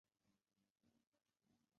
沼泽侧颈龟属是一个单种属。